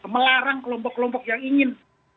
melarang kelompok kelompok yang ingin